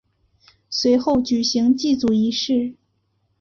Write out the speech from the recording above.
随后举行祭祖仪式。